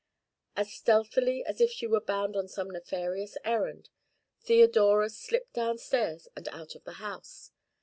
As stealthily as if she were bound on some nefarious errand, Theodora slipped downstairs and out of the house.